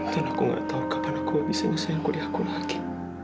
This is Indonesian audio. dan aku nggak tahu kapan aku bisa nyesel kuliah aku lagi